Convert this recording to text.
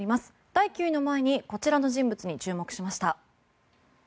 第９位の前にこちらの人物に注目しました。